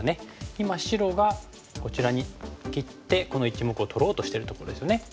今白がこちらに切ってこの１目を取ろうとしてるところですね。